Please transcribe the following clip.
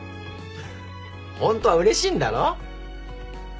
ホントはうれしいんだろ？